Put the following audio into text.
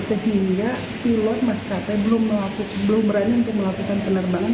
sehingga pilot maskapai belum berani untuk melakukan penerbangan